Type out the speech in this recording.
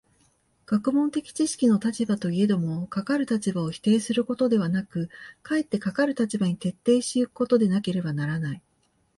学問的知識の立場といえども、かかる立場を否定することではなく、かえってかかる立場に徹底し行くことでなければならない。